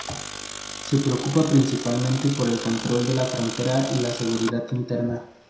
Se preocupan principalmente por el control de la frontera y la seguridad interna.